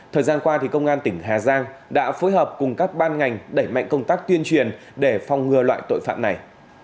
thời gian qua công an tỉnh hà giang đã phối hợp cùng các ban ngành đẩy mạnh công tác tuyên truyền để phòng ngừa loại tội phạm này